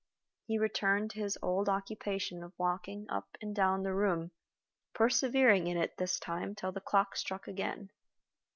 He returned to his old occupation of walking up and down the room, persevering in it this time till the clock struck again.